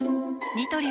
ニトリ